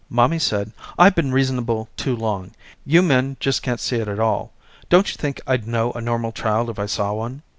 Mommy said I've been reasonable too long, you men just can't see it at all, don't you think I'd know a normal child if I saw one?